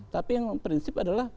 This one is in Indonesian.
tapi yang prinsip adalah